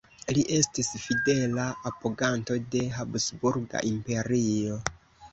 Li estis fidela apoganto de habsburga Imperio.